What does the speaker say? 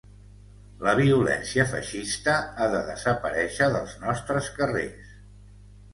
La violència feixista ha de desaparèixer dels nostres carrers.